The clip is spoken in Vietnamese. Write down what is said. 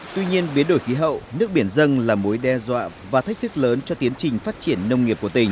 tuy nhiên biến đổi khí hậu nước biển dân là mối đe dọa và thách thức lớn cho tiến trình phát triển nông nghiệp của tỉnh